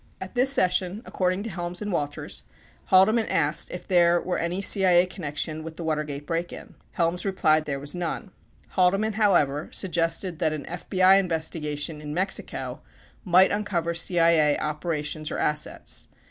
25 At this session, according to Helms and Walters, Haldeman asked if there were any CIA connection with the Watergate break in. Helms replied there was none. Haldeman, however, suggested that an FBI investigation in Mexico might uncover CIA operations or assets.